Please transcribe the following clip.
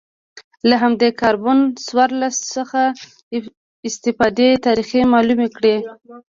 له همدې کاربن څوارلس څخه په استفادې تاریخ معلوم کړي